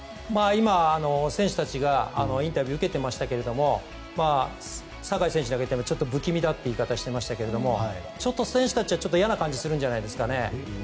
今、選手たちがインタビュー受けてましたけれど酒井選手はちょっと不気味だっていう言い方をしていましたがちょっと選手たちは嫌な感じがするんじゃないですかね。